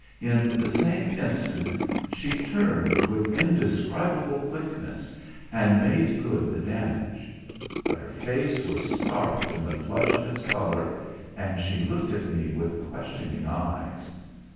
In the same instant she turned with indescribable quickness, and made good the damage. But her face was scarlet in the flush of its colour; and she looked at me with questioning eyes.